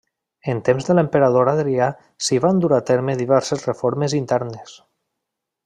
En temps de l'emperador Adrià s'hi van dur a terme diverses reformes internes.